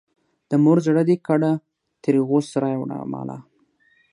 د مور زړه دې کړه ترې غوڅ رایې وړه ماله.